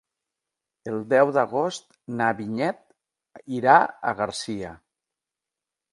El deu d'agost na Vinyet irà a Garcia.